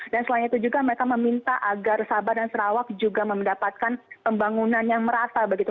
dan selain itu juga mereka meminta agar sabah dan sarawak juga mendapatkan pembangunan yang merasa begitu